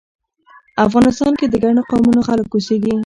افغانستان کې د ګڼو قومونو خلک اوسیږی